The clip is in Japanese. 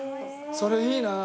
それいいなあ。